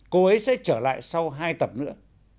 cô ấy sẽ trở lại sau hai tập nữa